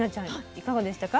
いかがでしたか？